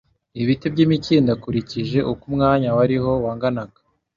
ibiti by imikindo akurikije uko umwanya wariho wanganaga